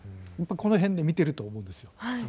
やっぱこの辺で見てると思うんですよ。